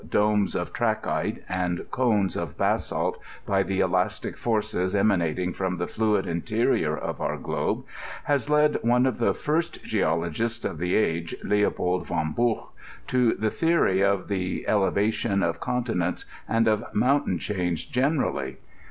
45 domes of trachyte, ttnd cones of basalt, hf the elastio forctt emanating from the fluid inteorior of our globe, has led one of the first geologists of the age, Xieopold tod Buoh, to the theory of the eleyatioa o£ comtkients, umI of moantaaa chains genercdly.